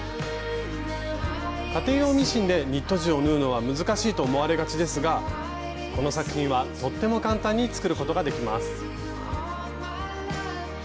家庭用ミシンでニット地を縫うのは難しいと思われがちですがこの作品はとっても簡単に作ることができます。